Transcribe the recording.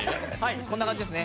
こんな感じです